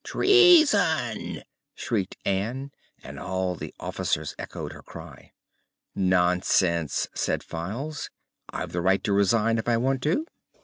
"Treason!" shrieked Ann, and all the officers echoed her cry. "Nonsense," said Files. "I've the right to resign if I want to."